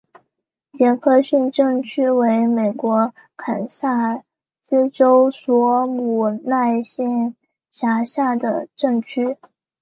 杰克逊镇区为美国堪萨斯州索姆奈县辖下的镇区。